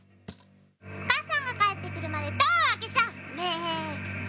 母さんが返ってくるまでドアを開けちゃメェ！